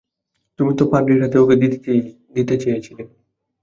তুমি তো পাদ্রির হাতে ওকে দিতে চেয়েছিলে।